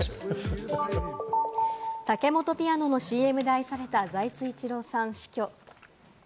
タケモトピアノのＣＭで愛された財津一郎さん、死去。